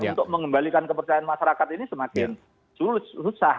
untuk mengembalikan kepercayaan masyarakat ini semakin susah